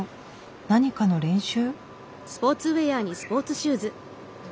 何かの練習？